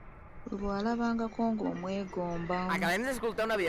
Buli gwe walabangako ng’omwegomba!